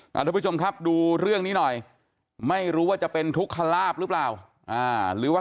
ค่ะประชูครับดูเรื่องนี้หน่อยไม่รู้ว่าจะเป็นทุกขันราบรึเปล่าหรือว่า